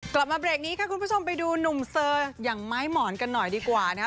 กลับมาเบรกนี้ค่ะคุณผู้ชมไปดูหนุ่มเซอร์อย่างไม้หมอนกันหน่อยดีกว่านะคะ